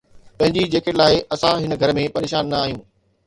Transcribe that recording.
پنھنجي جيڪٽ لاھي، اسان ھن گھر ۾ پريشان نه آھيون